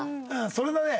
それだね！